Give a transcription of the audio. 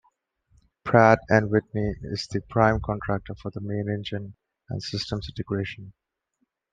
Pratt and Whitney is the prime contractor for the main engine, and systems integration.